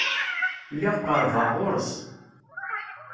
Lliɣ qerbeɣ ɣer-s.